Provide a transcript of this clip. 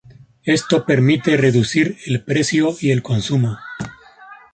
Esto permite reducir el precio y el consumo.